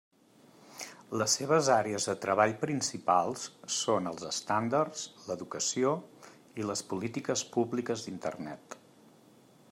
Les seves àrees de treball principals són els estàndards, l'educació i les polítiques públiques d'Internet.